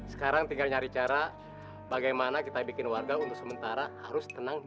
sekarang tinggal nyari cara bagaimana kita bikin warga untuk sementara harus tenang